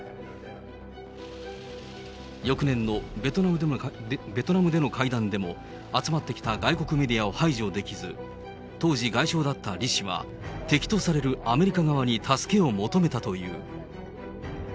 翌年のベトナムでの会談でも、集まってきた外国メディアを排除できず、当時、外相だったリ氏は、敵とされるアメリカ側に助けを求めたという。